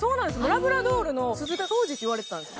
ラブラドールの鈴鹿央士っていわれてたんです